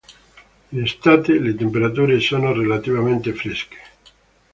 In estate le temperature sono relativamente fresche.